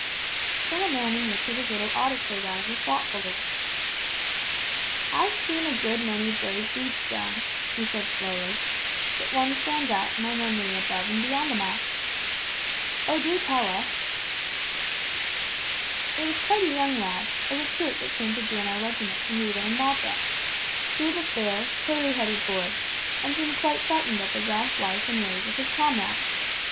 Colonel Manning looked at his little auditor rather thoughtfully. "I've seen a good many brave deeds done," he said, slowly; "but one stands out in my memory above and beyond them all." "Oh, do tell us." "It was quite a young lad, a recruit that came to join our regiment when we were in Malta. He was a fair, curly headed boy, and seemed quite frightened at the rough life and ways of his comrades.